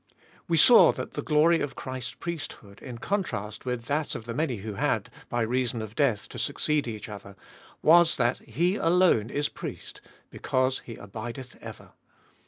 We saw that the glory of Christ's priesthood, in contrast with that of the many who had, by reason of death, to succeed each other, was, that He alone is Priest, because He abideth ever.